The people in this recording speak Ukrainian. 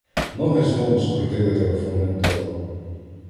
Ноги знову скрутили телефонним дротом.